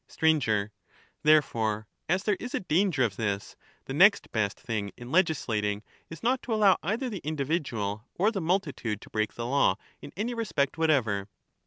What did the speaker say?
Sir, Therefore, as there is a danger of this, the next best thing in legislating is not to allow either the individual or the multitude to break the law in any respect whatever.